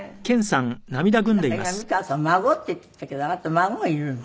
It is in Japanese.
なんか今美川さん孫って言っていたけどあなた孫がいるの？